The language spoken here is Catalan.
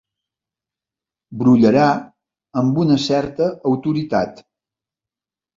Brollarà amb una certa autoritat.